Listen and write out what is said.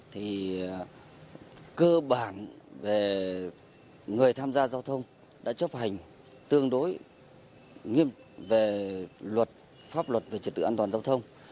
thì cơ bản về người tham gia giao thông đã chấp hành tương đối nghiêm về luật pháp luật về trật tự an toàn giao thông